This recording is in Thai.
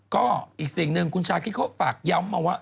ก็อีกสิ่งหนึ่งคุณชาคิดเขาฝากย้ำมาว่า